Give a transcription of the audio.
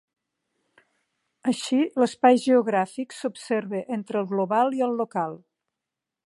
Així, l'espai geogràfic s'observa entre el global i el local.